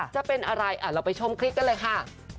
จะเป็นอะไรเราไปชมคลิปกันเลยค่ะ